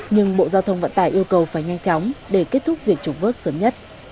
nhưng bộ giao thông vận tải yêu cầu phải nhanh chóng để kết thúc việc trục vớt sớm nhất